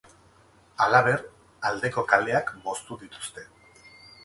Halaber, aldeko kaleak moztu dituzte.